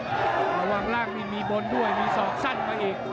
ระหว่างล่างนี่มีบนด้วยมีศอกสั้นมาอีก